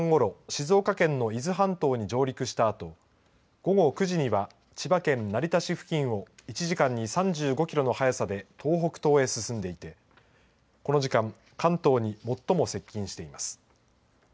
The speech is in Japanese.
静岡県の伊豆半島に上陸したあと午後９時には千葉県成田市付近を１時間に３５キロの速さで東北東へ進んでいてこの時間、関東に最も接近しています。